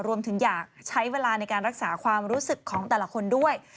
อยากใช้เวลาในการรักษาความรู้สึกของแต่ละคนด้วย